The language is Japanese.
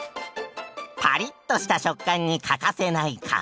パリッとした食感に欠かせない皮。